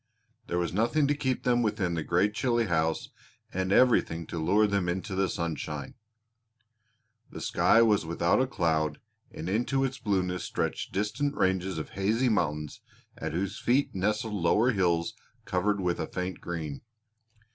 There was nothing to keep them within the great chilly house, and everything to lure them into the sunshine. The sky was without a cloud, and into its blueness stretched distant ranges of hazy mountains at whose feet nestled lower hills covered with faint green.